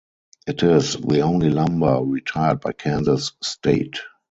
It is the only number retired by Kansas State.